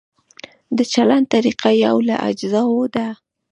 د چلند طریقه یو له اجزاوو ده.